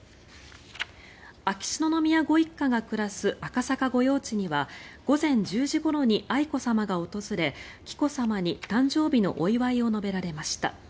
秋篠宮ご一家が暮らす赤坂御用地には午前１０時ごろに愛子さまが訪れ紀子さまに誕生日のお祝いを述べられました。